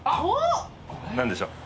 何でしょう？